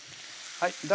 はい？